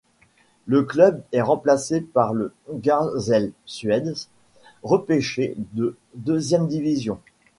Le club est remplacé par le Ghazl El Suez, repêché de deuxième division.